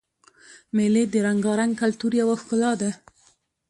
مېلې د رنګارنګ کلتور یوه ښکلا ده.